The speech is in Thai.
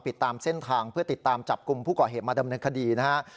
ติดตามเส้นทางเพื่อติดตามจับกลุ่มผู้ก่อเหตุมาดำเนินคดีนะฮะ